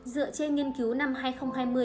dựa trên nghiên cứu năm hai nghìn hai mươi